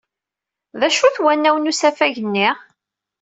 D acu-t wanaw n usafag-nni?